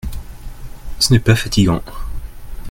Ce n’est pas fatigant !